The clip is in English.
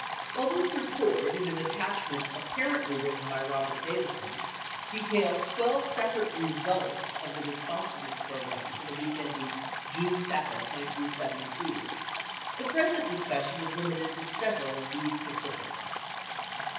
87 While this report, in an attachment apparently written by Robert Davison, 88 details 12 separate "results" of the Re sponsiveness Program for the week ending June 2, 1972, the present discussion is limited to several of these specifics.